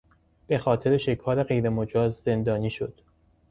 بخاطر شکار غیرمجاز زندانی شد.